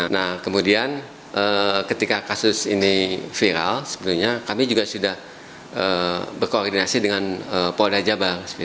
nah kemudian ketika kasus ini viral sebenarnya kami juga sudah berkoordinasi dengan polda jabar